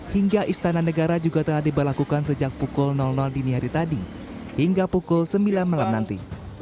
hingga istana negara juga telah diberlakukan sejak pukul dini hari tadi hingga pukul sembilan malam nanti